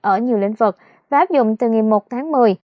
ở nhiều lĩnh vực và áp dụng từ ngày một tháng một mươi